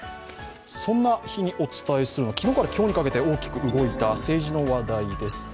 そんな日にお伝えするのが昨日から今日にかけて大きく動いた政治の話題です。